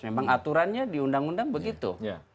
memang aturannya di undang undang begitu